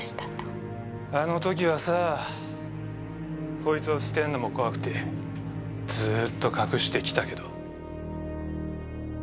あの時はさあこいつを捨てんのも怖くてずーっと隠してきたけど。